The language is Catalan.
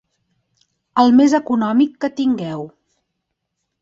El més econòmic que tingueu.